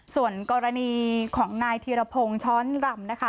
ส่วนกรณีของนายธีรพงศ์ช้อนรำนะคะ